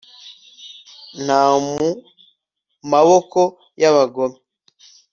inta mu maboko y'abagome